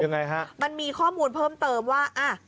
ยังไงฮะมันมีข้อมูลเพิ่มเติมว่าอ่ะ